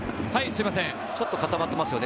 ちょっと固まっていますよね。